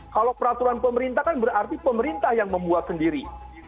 kalau peraturan pemerintah kan berarti pemerintah yang membuat sendiri